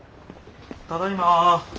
ただいま。